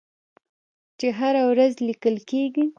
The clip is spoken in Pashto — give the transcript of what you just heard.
چې هره ورځ لیکل کیږي.